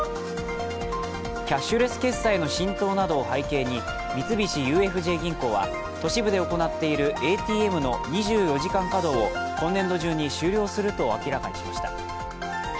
キャッシュレス決済の浸透などを背景に、三菱ＵＦＪ銀行は都市部で行っているＡＴＭの２４時間稼働を今年度中に終了すると明らかにしました。